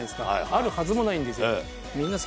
あるはずもないんですよ。